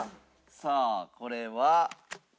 さあこれは。